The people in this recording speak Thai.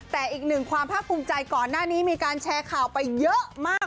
แต่อีกหนึ่งความภาคภูมิใจก่อนหน้านี้มีการแชร์ข่าวไปเยอะมาก